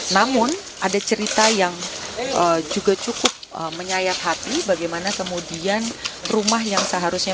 namun ada cerita yang juga cukup menyayat hati bagaimana kemudian rumah yang seharusnya